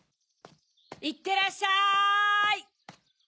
いってらっしゃい！